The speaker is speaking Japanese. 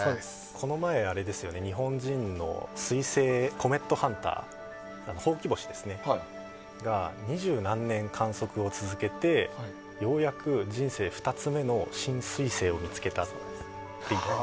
この前、日本人のコメットハンター、ほうき星が二十何年、観測を続けてようやく人生２つ目の新彗星を見つけたっていって。